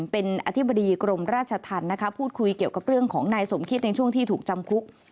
เป็นอธิบดีกรมราชธรรมนะคะพูดคุยเกี่ยวกับเรื่องของนายสมคิดในช่วงที่ถูกจำคุก